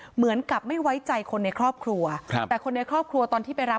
เหมือนกับไม่ไว้ใจคนในครอบครัวครับแต่คนในครอบครัวตอนที่ไปรับ